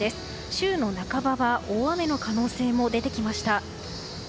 週の半ばは大雨の可能性も出てきました。